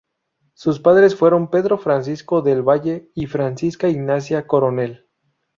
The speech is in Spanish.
Sus padres fueron Pedro Francisco del Valle y Francisca Ignacia Coronel.